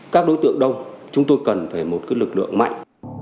các đối tượng đông chúng tôi cần phải một lực lượng mạnh